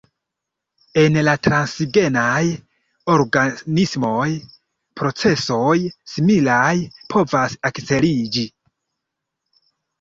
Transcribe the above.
En la transgenaj organismoj procesoj similaj povas akceliĝi.